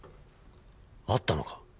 会ったのか。